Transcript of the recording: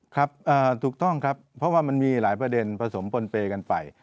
ครับถูกต้องครับเพราะว่ามันมีหลายประเด็นผสมปนเปย์กันไป